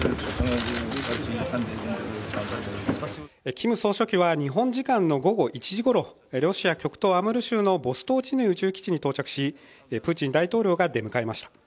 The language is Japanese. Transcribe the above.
キム総書記は日本時間の午後１時ごろロシア極東アムール州のボストーチヌイ宇宙基地に到着しプーチン大統領が出迎えました。